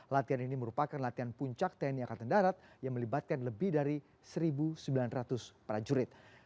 latihan ini merupakan latihan puncak tni angkatan darat yang melibatkan lebih dari satu sembilan ratus prajurit